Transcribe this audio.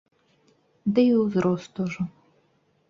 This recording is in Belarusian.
Ды і ўзрост ужо.